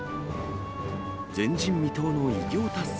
前人未到の偉業達成